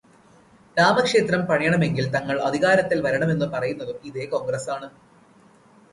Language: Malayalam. രാമക്ഷേത്രം പണിയണമെങ്കില് തങ്ങള് അധികാരത്തില് വരണമെന്നു പറയുന്നതും ഇതേ കോണ്ഗ്രസ്സാണ്.